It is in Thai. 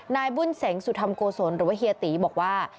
นายบุญเสงสุธรรมโกศลหรือว่าเฮียตีบอกว่า